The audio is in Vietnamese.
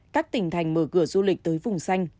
các tỉnh thành mở cửa du lịch tới vùng xanh